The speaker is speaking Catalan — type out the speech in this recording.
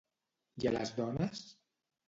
I a les dones?